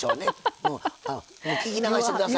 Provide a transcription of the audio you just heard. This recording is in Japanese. もう聞き流して下さい。